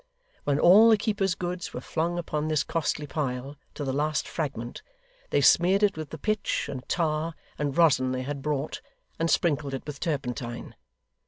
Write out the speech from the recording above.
When all the keeper's goods were flung upon this costly pile, to the last fragment, they smeared it with the pitch, and tar, and rosin they had brought, and sprinkled it with turpentine.